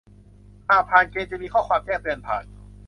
หากผ่านเกณฑ์จะมีข้อความแจ้งเตือนผ่าน